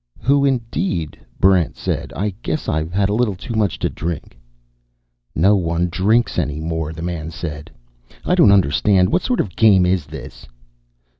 "Who indeed?" Barrent said. "I guess I've had a little too much to drink." "No one drinks any more," the man said. "I don't understand. What sort of a game is this?"